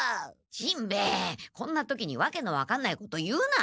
しんべヱこんな時にわけの分かんないこと言うな。